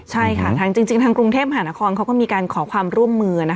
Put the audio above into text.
ใช่ค่ะจริงทางกรุงเทพหานครเขาก็มีการขอความร่วมมือ